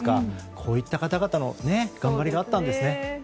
こういった方々の頑張りがあったんですね。